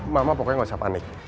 mama pokoknya nggak usah panik